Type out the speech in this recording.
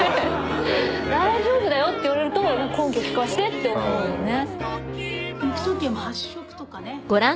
大丈夫だよって言われると根拠聞かしてって思うよね。